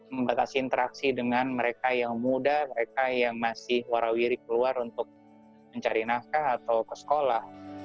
membatasi interaksi dengan mereka yang muda mereka yang masih warawiri keluar untuk mencari nafkah atau ke sekolah